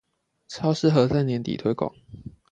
超適合在年底推廣